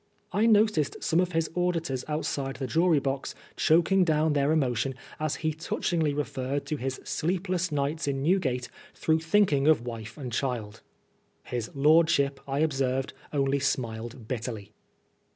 I noticed some of his auditors outside the jury box choking down their emotion as he touchingly referred to his sleepless nights in Newgate through thinking of wife and child His Lordship, I observed only smiled bitterly.